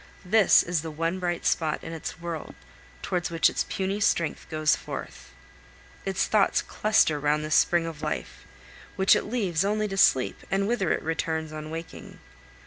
This is the one bright spot in its world, towards which its puny strength goes forth. Its thoughts cluster round this spring of life, which it leaves only to sleep, and whither it returns on waking.